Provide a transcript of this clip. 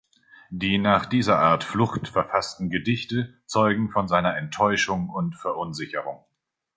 Die nach dieser Art Flucht verfassten Gedichte zeugen von seiner Enttäuschung und Verunsicherung.